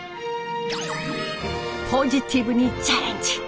ポジティブにチャレンジ。